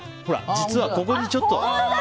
実はここにちょっと。